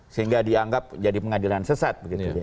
sehingga dianggap jadi pengadilan sesat